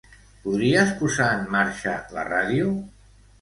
Podries posar en marxa la ràdio?